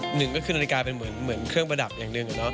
หนึ่งก็คือนาฬิกาเป็นเหมือนเครื่องประดับอย่างหนึ่งอะเนาะ